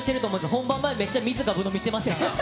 本番前、めっちゃ水、がぶ飲みしてましたから。